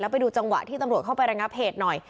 ไปดูจังหวะที่ตำรวจเข้าไประงับเหตุหน่อย